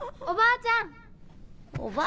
おばあちゃん？